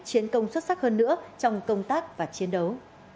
chiến công xuất sắc hơn nữa trong công tác và chiến đấu